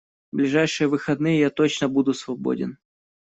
В ближайшие выходные я точно буду свободен.